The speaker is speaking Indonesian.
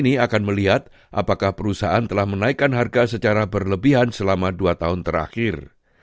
ini akan melihat apakah perusahaan telah menaikkan harga secara berlebihan selama dua tahun terakhir